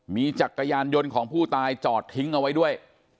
มีจักรยานยนต์ของผู้ตายจอดทิ้งเอาไว้ด้วย